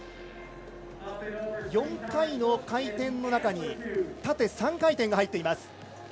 ４回の回転の中に縦３回転が入っています。